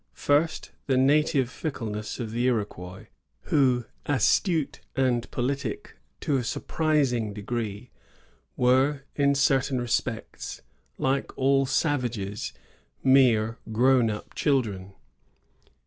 First, the native fickleness of the Iroquois, who, astute and politic to a surprising degree, were in certain respects, like all savages, mere grown up children.